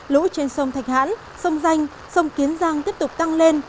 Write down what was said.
lũ trên sông thạch hãn sông danh sông kiến giang tiếp tục tăng lên